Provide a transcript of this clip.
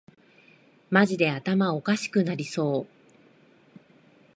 マジで頭おかしくなりそう